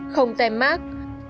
không tem mát